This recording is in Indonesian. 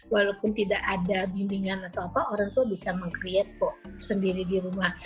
walaupun tidak ada bimbingan atau apa orang tua bisa meng create kok sendiri di rumah